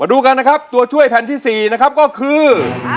ดูกันนะครับตัวช่วยแผ่นที่๔นะครับก็คือ